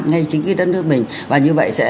ngay chính cái đất nước mình và như vậy